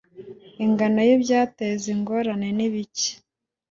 ingano y ibyateza ingorane nibike